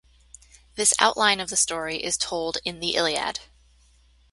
This outline of the story is told in the "Iliad".